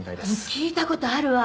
聞いた事あるわ。